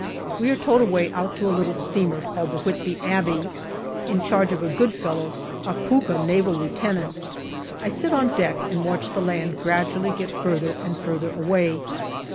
We are towed away out to a little steamer called the Whitby Abbey, in charge of a good fellow, a " pukkah " Naval Lieutenant. I sit on deck and watch the land gradually get further and further away.